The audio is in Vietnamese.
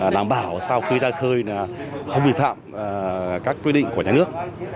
đảm bảo sau khi ra khơi là không vi phạm các quy định của nhà nước